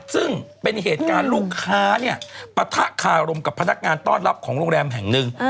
ซึ่งเป็นเหตุการณ์ลูกค้าเนี่ยปะทะคารมกับพนักงานต้อนรับของโรงแรมแห่งหนึ่ง